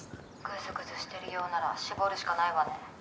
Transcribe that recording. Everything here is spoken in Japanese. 「グズグズしてるようなら絞るしかないわね」